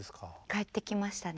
帰ってきましたね。